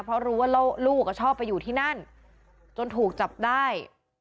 เพราะรู้ว่าลูกชอบไปอยู่ที่นั่นจนถูกจับได้